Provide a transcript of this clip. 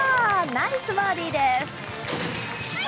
ナイスバーディーです。